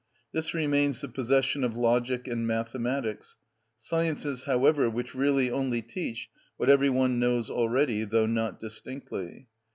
This remains the possession of logic and mathematics—sciences, however, which really only teach what every one knows already, though not distinctly.